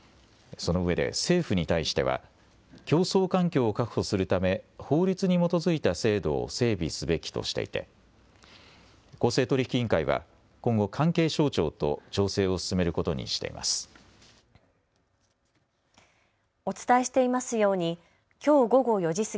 そのうえで政府に対しては競争環境を確保するため法律に基づいた制度を整備すべきとしていて公正取引委員会は今後、関係省庁と調整を進めることにしています。